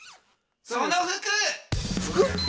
その服！服！？